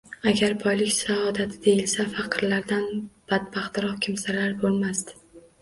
Agar boylik saodat deyilsa, faqirlardan badbaxtroq kimsalar bo'lmasdi.